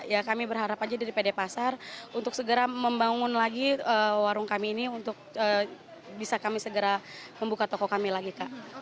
ya kami berharap aja dari pd pasar untuk segera membangun lagi warung kami ini untuk bisa kami segera membuka toko kami lagi kak